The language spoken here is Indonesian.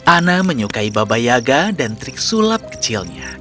ana menyukai baba yaga dan trik sulap kecilnya